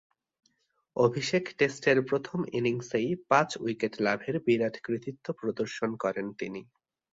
অভিষেক টেস্টের প্রথম ইনিংসেই পাঁচ উইকেট লাভের বিরাট কৃতিত্ব প্রদর্শন করেন তিনি।